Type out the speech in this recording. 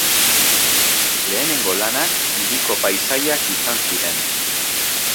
Lehenengo lanak hiriko paisaiak izan ziren.